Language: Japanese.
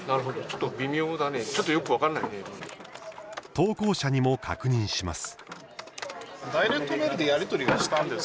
投稿者にも確認します。